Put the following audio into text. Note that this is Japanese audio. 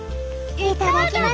いただきます。